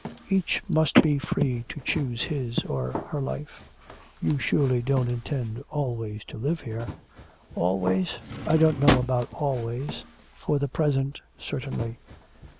'Each must be free to choose his or her life.' 'You surely don't intend always to live here?' 'Always? I don't know about always, for the present certainly.'